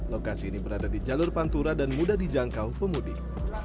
lokasi ini berada di jalur pantura dan mudah dijangkau pemudik